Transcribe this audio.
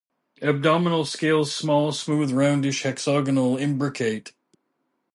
Abdominal scales small, smooth, roundish-hexagonal, imbricate.